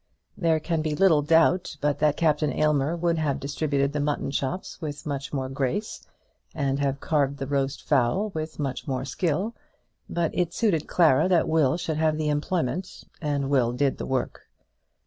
There can be little doubt but that Captain Aylmer would have distributed the mutton chops with much more grace, and have carved the roast fowl with much more skill; but it suited Clara that Will should have the employment, and Will did the work.